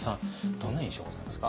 どんな印象ございますか？